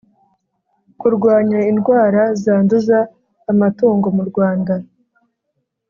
kurwanya indwara zanduza amatungo mu Rwanda